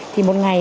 thì một ngày